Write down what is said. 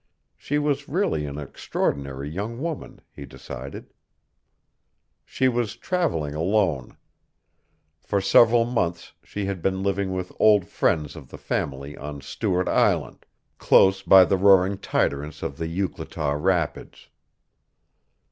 She was really an extraordinary young woman, he decided. She was traveling alone. For several months she had been living with old friends of the family on Stuart Island, close by the roaring tiderace of the Euclataw Rapids.